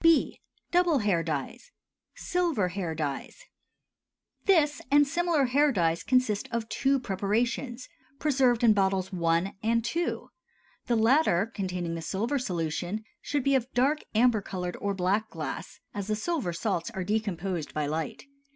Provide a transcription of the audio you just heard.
B. Double Hair Dyes. SILVER HAIR DYES. This and similar hair dyes consist of two preparations, preserved in bottles I. and II.; the latter, containing the silver solution, should be of dark amber colored or black glass, as the silver salts are decomposed by light.